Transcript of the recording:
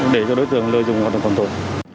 để cho đối tượng lợi dụng hoạt động còn tổn